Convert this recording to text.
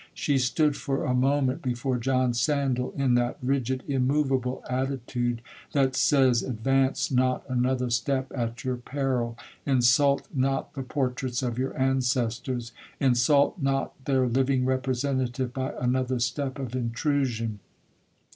She stood for a moment before John Sandal in that rigid immoveable attitude that says, 'Advance not another step at your peril—insult not the portraits of your ancestors—insult not their living representative, by another step of intrusion!'